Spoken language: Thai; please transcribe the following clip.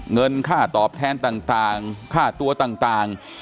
เงินค่าตอบแทนต่างค่าตัวต่าง